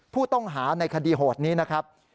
ผู้ต้องหาในคดีโหดนี้นะครับ